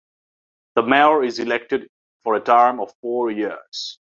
The mayor is elected for a term of four years.